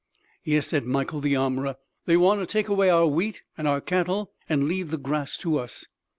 "Yes," said Mikael the armorer; "they want to take away our wheat and our cattle, and leave the grass to us.